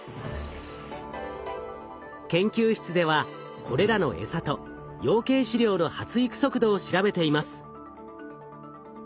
研究室ではこれらのエサと養鶏飼料の発育速度を調べています。